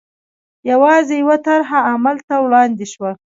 یوازې یوه طرحه عمل ته وړاندې شوه.